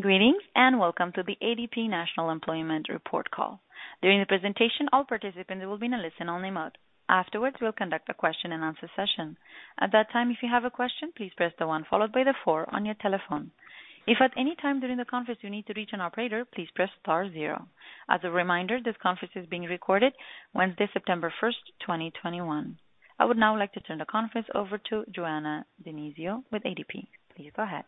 Greetings, and welcome to the ADP National Employment Report call. During the presentation, all participants will be in a listen-only mode. Afterwards, we'll conduct a question-and-answer session. At that time, if you have a question, please press the one followed by the four on your telephone. If at any time during the conference you need to reach an operator, please press star zero. As a reminder, this conference is being recorded Wednesday, September 1st, 2021. I would now like to turn the conference over to Joanna DiNizio with ADP. Please go ahead.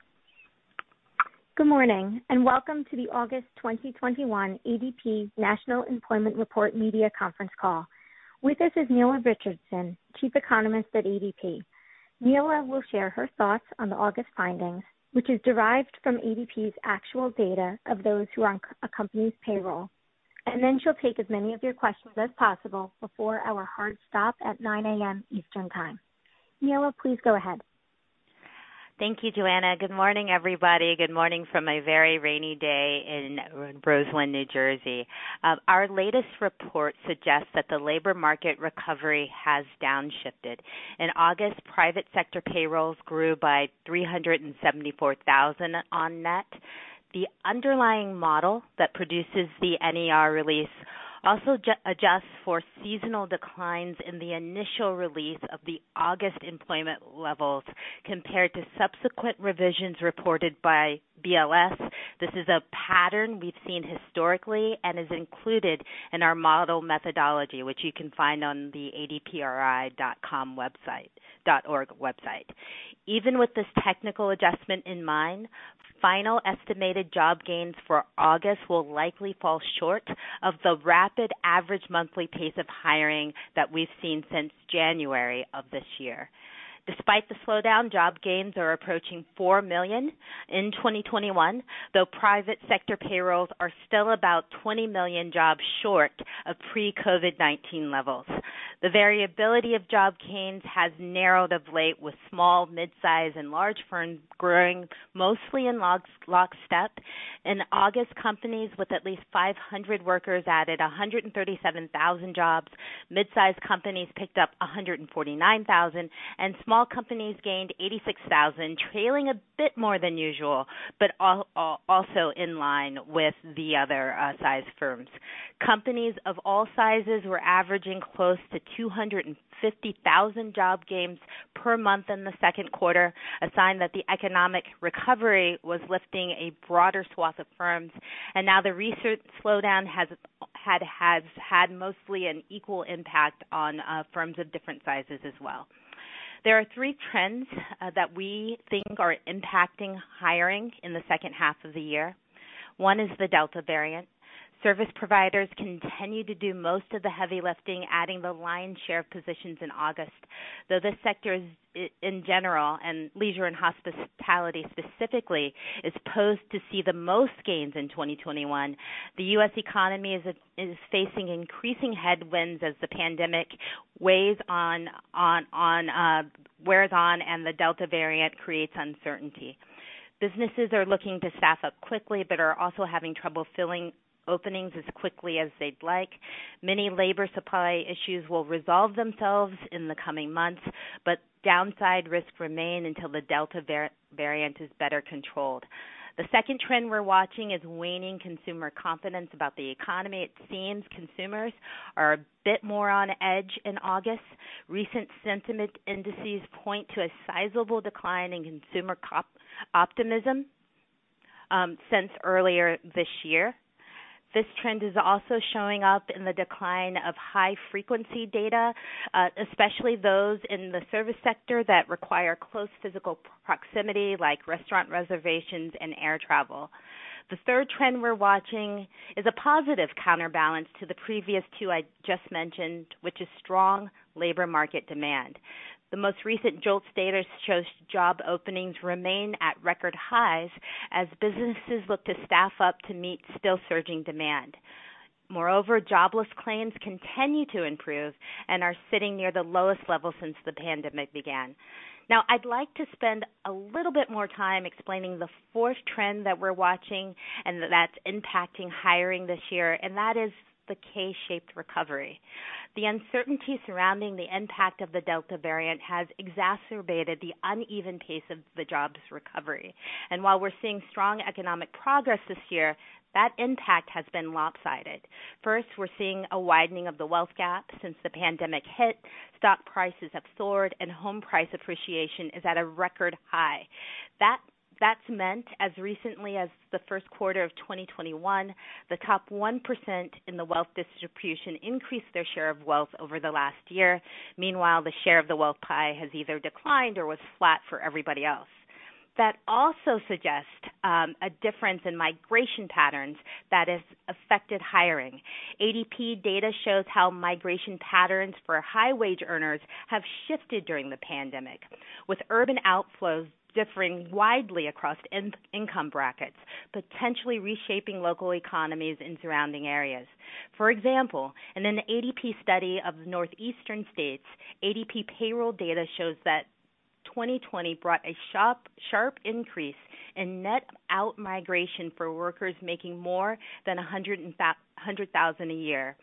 Good morning, and welcome to the August 2021 ADP National Employment Report media conference call. With us is Nela Richardson, Chief Economist at ADP. Nela will share her thoughts on the August findings, which is derived from ADP's actual data of those who are on a company's payroll. Then she'll take as many of your questions as possible before our hard stop at 9:00 A.M. Eastern Time. Nela, please go ahead. Thank you, Joanna. Good morning, everybody. Good morning from a very rainy day in Roseland, New Jersey. Our latest report suggests that the labor market recovery has downshifted. In August, private sector payrolls grew by $374,000 on net. The underlying model that produces the NER release also adjusts for seasonal declines in the initial release of the August employment levels compared to subsequent revisions reported by BLS. This is a pattern we've seen historically and is included in our model methodology, which you can find on the adpri.org website. Even with this technical adjustment in mind, final estimated job gains for August will likely fall short of the rapid average monthly pace of hiring that we've seen since January of this year. Despite the slowdown, job gains are approaching $4 million in 2021, though private sector payrolls are still about $20 million jobs short of pre-COVID-19 levels. The variability of job gains has narrowed of late, with small, midsize, and large firms growing mostly in lockstep. In August, companies with at least 500 workers added 137,000 jobs. Midsize companies picked up 149,000, and small companies gained 86,000, trailing a bit more than usual, but also in line with the other size firms. Companies of all sizes were averaging close to 250,000 job gains per month in the second quarter, a sign that the economic recovery was lifting a broader swath of firms. The recent slowdown has had mostly an equal impact on firms of different sizes as well. There are three trends that we think are impacting hiring in the second half of the year. One is the Delta variant. Service providers continue to do most of the heavy lifting, adding the lion's share of positions in August. This sector in general, and leisure and hospitality specifically, is posed to see the most gains in 2021. The U.S. economy is facing increasing headwinds as the pandemic wears on and the Delta variant creates uncertainty. Businesses are looking to staff up quickly but are also having trouble filling openings as quickly as they'd like. Many labor supply issues will resolve themselves in the coming months, but downside risks remain until the Delta variant is better controlled. The second trend we're watching is waning consumer confidence about the economy. It seems consumers are a bit more on edge in August. Recent sentiment indices point to a sizable decline in consumer optimism since earlier this year. This trend is also showing up in the decline of high-frequency data, especially those in the service sector that require close physical proximity, like restaurant reservations and air travel. The third trend we're watching is a positive counterbalance to the previous two I just mentioned, which is strong labor market demand. The most recent JOLTS data shows job openings remain at record highs as businesses look to staff up to meet still-surging demand. Moreover, jobless claims continue to improve and are sitting near the lowest level since the pandemic began. Now, I'd like to spend a little bit more time explaining the fourth trend that we're watching and that's impacting hiring this year, and that is the K-shaped recovery. The uncertainty surrounding the impact of the Delta variant has exacerbated the uneven pace of the jobs recovery. While we're seeing strong economic progress this year, that impact has been lopsided. First, we're seeing a widening of the wealth gap since the pandemic hit. Stock prices have soared, and home price appreciation is at a record high. That's meant as recently as the first quarter of 2021, the top 1% in the wealth distribution increased their share of wealth over the last year. Meanwhile, the share of the wealth pie has either declined or was flat for everybody else. That also suggests a difference in migration patterns that has affected hiring. ADP data shows how migration patterns for high-wage earners have shifted during the pandemic, with urban outflows differing widely across income brackets, potentially reshaping local economies and surrounding areas. For example, in an ADP study of the northeastern states, ADP payroll data shows that 2020 brought a sharp increase in net outmigration for workers making more than 100,000 a year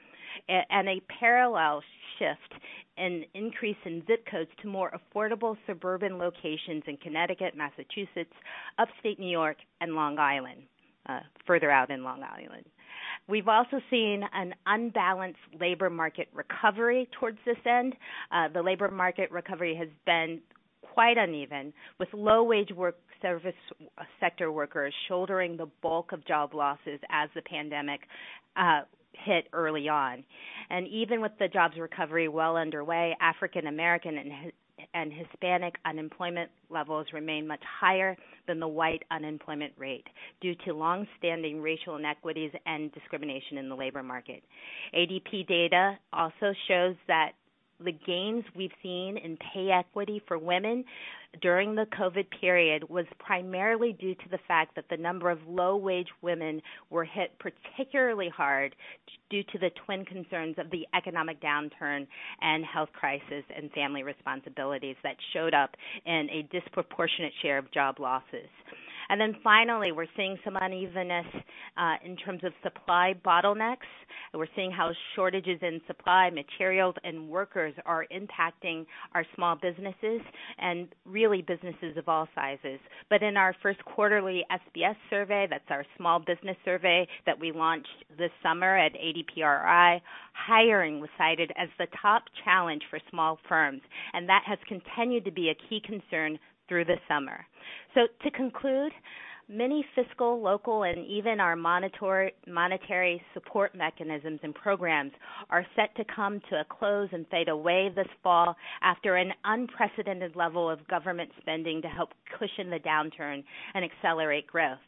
and a parallel shift An increase in ZIP codes to more affordable suburban locations in Connecticut, Massachusetts, upstate New York, and Long Island, further out in Long Island. We've also seen an unbalanced labor market recovery towards this end. The labor market recovery has been quite uneven, with low-wage work service sector workers shouldering the bulk of job losses as the pandemic hit early on. Even with the jobs recovery well underway, African American and Hispanic unemployment levels remain much higher than the white unemployment rate due to longstanding racial inequities and discrimination in the labor market. ADP data also shows that the gains we've seen in pay equity for women during the COVID period was primarily due to the fact that the number of low-wage women were hit particularly hard due to the twin concerns of the economic downturn and health crisis and family responsibilities that showed up in a disproportionate share of job losses. Finally, we're seeing some unevenness in terms of supply bottlenecks. We're seeing how shortages in supply, materials, and workers are impacting our small ADPRI businesses and really businesses of all sizes. In our first quarterly SBS survey, that's our small business survey that we launched this summer at ADPRI, hiring was cited as the top challenge for small firms, and that has continued to be a key concern through the summer. To conclude, many fiscal, local, and even our monetary support mechanisms and programs are set to come to a close and fade away this fall after an unprecedented level of government spending to help cushion the downturn and accelerate growth.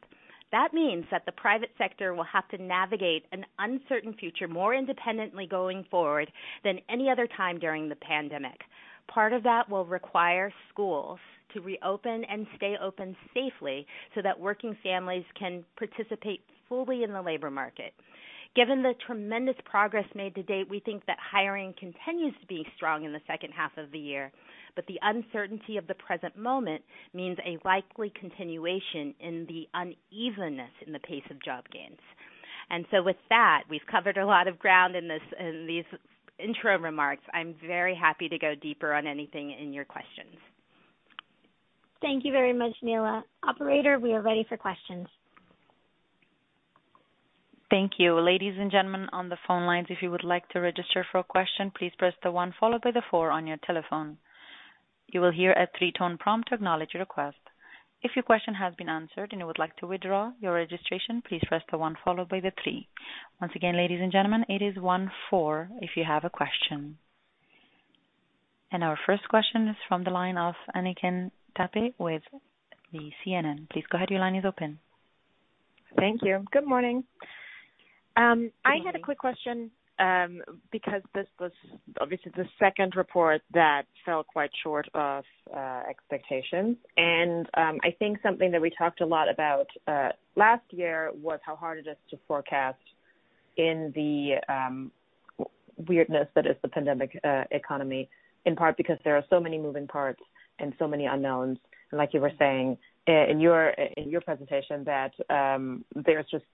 That means that the private sector will have to navigate an uncertain future more independently going forward than any other time during the pandemic. Part of that will require schools to reopen and stay open safely so that working families can participate fully in the labor market. Given the tremendous progress made to date, we think that hiring continues to be strong in the second half of the year, but the uncertainty of the present moment means a likely continuation in the unevenness in the pace of job gains. With that, we've covered a lot of ground in these intro remarks. I'm very happy to go deeper on anything in your questions. Thank you very much, Nela. Operator, we are ready for questions. Thank you. Ladies and gentlemen on the phone lines, if you would like to register for a question, please press the one followed by the four on your telephone. You will hear a three-tone prompt to acknowledge your request. If your question has been answered and you would like to withdraw your registration, please press the one followed by the three. Once again, ladies and gentlemen, it is one, four if you have a question. Our first question is from the line of Anneken Tappe with the CNN. Please go ahead, your line is open. Thank you. Good morning. Good morning. I had a quick question because this was obviously the second report that fell quite short of expectations. I think something that we talked a lot about last year was how hard it is to forecast in the weirdness that is the pandemic economy, in part because there are so many moving parts and so many unknowns. Like you were saying in your presentation, that there's just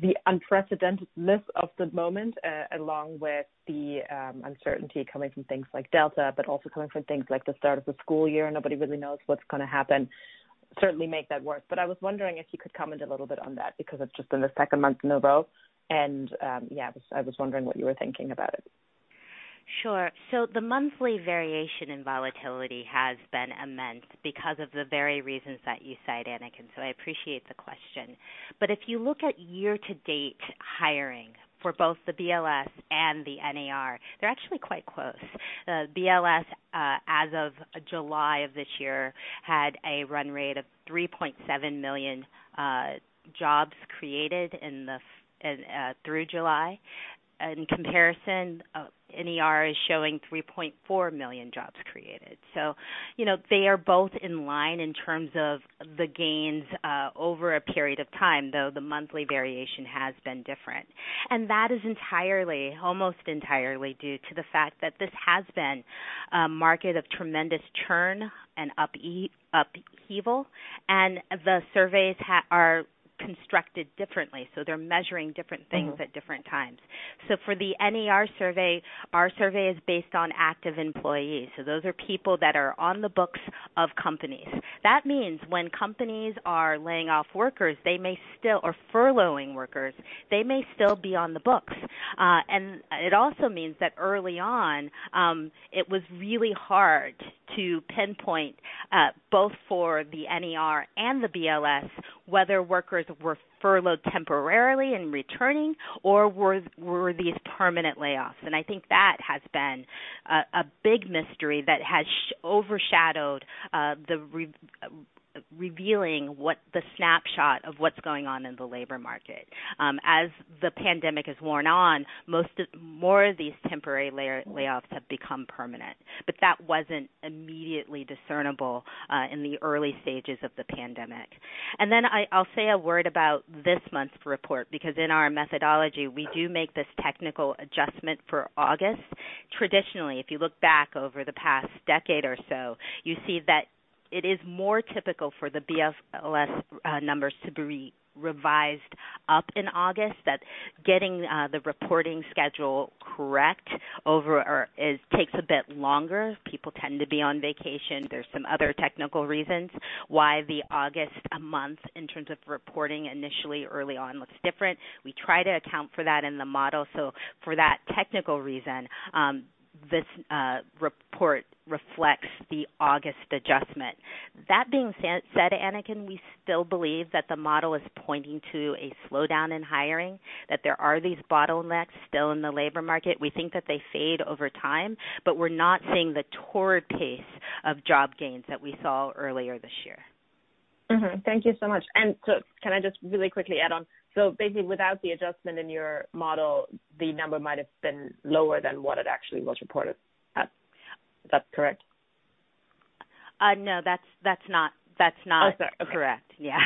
the unprecedentedness of the moment, along with the uncertainty coming from things like Delta, but also coming from things like the start of the school year. Nobody really knows what's going to happen, certainly make that work. I was wondering if you could comment a little bit on that, because it's just in the second month in a row. Yeah, I was wondering what you were thinking about it. Sure. The monthly variation in volatility has been immense because of the very reasons that you cite, Anneken, so I appreciate the question. If you look at year-to-date hiring for both the BLS and the NER, they're actually quite close. The BLS as of July of this year, had a run rate of 3.7 million jobs created through July. In comparison, NER is showing 3.4 million jobs created. They are both in line in terms of the gains over a period of time, though the monthly variation has been different. That is almost entirely due to the fact that this has been a market of tremendous churn and upheaval. The surveys are constructed differently, so they're measuring different things at different times. For the NER survey, our survey is based on active employees. Those are people that are on the books of companies. That means when companies are laying off workers or furloughing workers, they may still be on the books. It also means that early on, it was really hard to pinpoint both for the NER and the BLS, whether workers were furloughed temporarily and returning or were these permanent layoffs. I think that has been a big mystery that has overshadowed the revealing what the snapshot of what's going on in the labor market. As the pandemic has worn on, more of these temporary layoffs have become permanent. That wasn't immediately discernible in the early stages of the pandemic. I'll say a word about this month's report, because in our methodology, we do make this technical adjustment for August. Traditionally, if you look back over the past decade or so, you see that it is more typical for the BLS numbers to be revised up in August, that getting the reporting schedule correct takes a bit longer. People tend to be on vacation. There's some other technical reasons why the August month, in terms of reporting initially early on, looks different. We try to account for that in the model. For that technical reason, this report reflects the August adjustment. That being said, Anneken Tappe, we still believe that the model is pointing to a slowdown in hiring, that there are these bottlenecks still in the labor market. We think that they fade over time, but we're not seeing the torrid pace of job gains that we saw earlier this year. Thank you so much. Can I just really quickly add on? Basically, without the adjustment in your model, the number might have been lower than what it actually was reported at. Is that correct? No, that's not correct. Okay. Yeah.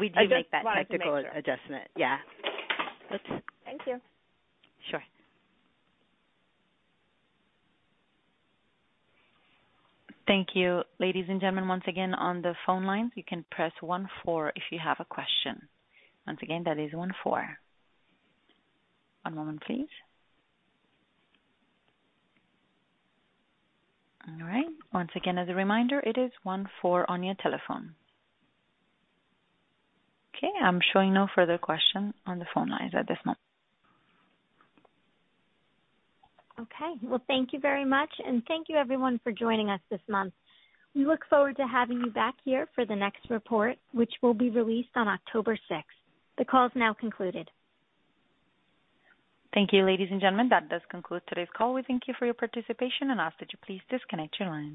We do make that technical adjustment. I just wanted to make sure. Yeah. Okay. Thank you. Sure. Thank you. Ladies and gentlemen, once again, on the phone lines, you can press one, four if you have a question. Once again, that is one, four. One moment, please. All right. Once again, as a reminder, it is one, four on your telephone. Okay, I am showing no further questions on the phone lines at this moment. Okay. Well, thank you very much, and thank you everyone for joining us this month. We look forward to having you back here for the next report, which will be released on October 6th. The call is now concluded. Thank you, ladies and gentlemen. That does conclude today's call. We thank you for your participation and ask that you please disconnect your lines.